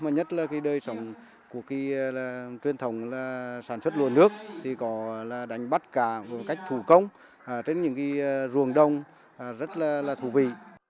nhất là đời sống của truyền thống là sản xuất lúa nước có đánh bắt cá cách thủ công trên những ruồng đông rất là thú vị